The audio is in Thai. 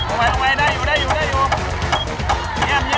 ออกไหนเข้าไปได้อยู่ได้อยู่